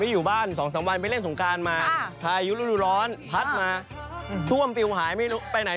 มาแล้วมาแล้วมาแล้วมาแล้วมาแล้วมาแล้วมาแล้วมาแล้วมาแล้วมาแล้ว